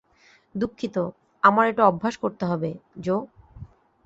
দুঃখিত, আমার এটা অভ্যাস করতে হবে, জো।